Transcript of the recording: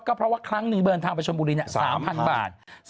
ก็เพราะว่าครั้งหนึ่งเดินทางไปชนบุรี๓๐๐๐บาท